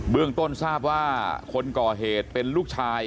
เรื่องต้นทราบว่าคนก่อเหตุเป็นลูกชาย